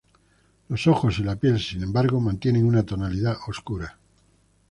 Los ojos y la piel sin embargo mantienen una tonalidad oscura.